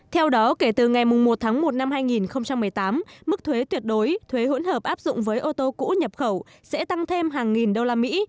theo đó kể từ ngày một tháng một năm hai nghìn một mươi tám mức thuế tuyệt đối thuế hỗn hợp áp dụng với ô tô cũ nhập khẩu sẽ tăng thêm hàng nghìn đô la mỹ